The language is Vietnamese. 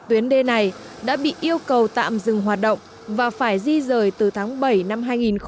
tuyến đê này đã bị yêu cầu tạm dừng hoạt động và phải di rời từ tháng bảy năm hai nghìn một mươi chín